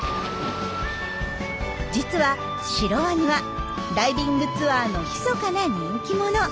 実はシロワニはダイビングツアーのひそかな人気者。